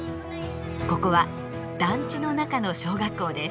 ここは団地の中の小学校です。